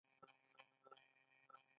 دا پروژه د سوداګرۍ لپاره مهمه ده.